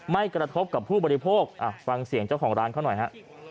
ไม่กระทบกับผู้บริโภคฟังเสียงเจ้าของร้านเขาหน่อยฮะ